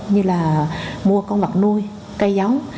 như là mua con vật nuôi cây giống